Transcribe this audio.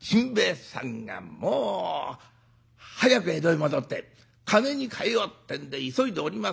甚兵衛さんがもう早く江戸へ戻って金に換えようってんで急いでおります